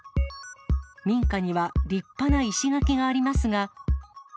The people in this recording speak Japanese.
民家には立派な石垣がありますが。